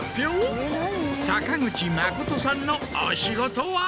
坂口茉琴さんのお仕事は。